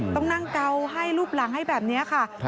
ต้องนั่งเกาให้รูปหลังให้แบบนี้ค่ะ